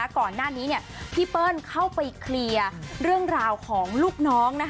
ก่อนหน้านี้พี่เปิ้ลเข้าไปเคลียร์เรื่องราวของลูกน้อง